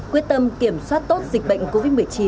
quyết tâm kiểm soát tốt dịch bệnh covid một mươi chín